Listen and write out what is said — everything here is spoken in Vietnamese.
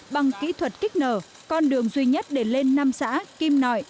bằng kỹ thuật kích nở con đường duy nhất để lên năm xã kim nội